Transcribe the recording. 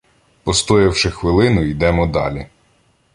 Постоявши хвилину, йдемо далі.